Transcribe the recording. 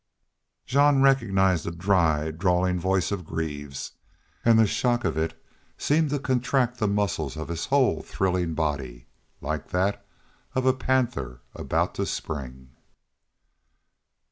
Jean recognized the dry, drawling voice of Greaves, and the shock of it seemed to contract the muscles of his whole thrilling body, like that of a panther about to spring.